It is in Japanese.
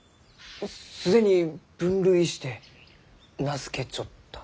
既に分類して名付けちょった？